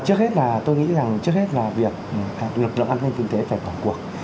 trước hết là tôi nghĩ là trước hết là việc lực lượng an ninh kinh tế phải bỏ cuộc